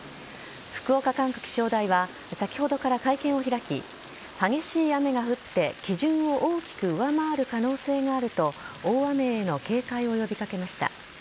福岡管区気象台は先ほどから会見を開き激しい雨が降って基準を大きく上回る可能性があると大雨への警戒を呼び掛けました。